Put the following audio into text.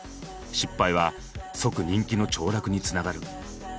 失敗は即人気のちょう落につながる。